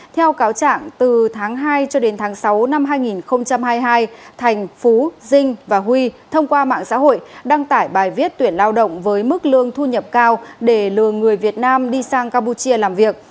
theo cáo trạng từ tháng hai cho đến tháng sáu năm hai nghìn hai mươi hai thành phú dinh và huy thông qua mạng xã hội đăng tải bài viết tuyển lao động với mức lương thu nhập cao để lừa người việt nam đi sang campuchia làm việc